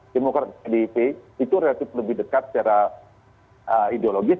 demokrat pks dan pd itu relatif lebih dekat secara ideologis